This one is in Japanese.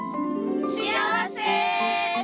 幸せ！